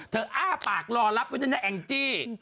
เธออ้าปากรอรับไม่รู้อย่างจี้